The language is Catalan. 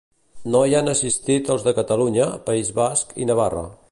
No hi han assistit els de Catalunya, País Basc i Navarra.